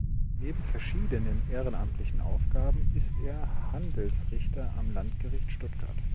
Neben verschiedenen ehrenamtlichen Aufgaben ist er Handelsrichter am Landgericht Stuttgart.